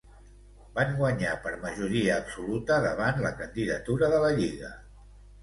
Van guanyar per majoria absoluta davant la candidatura de la Lliga.